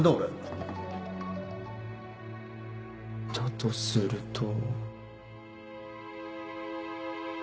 だとすると。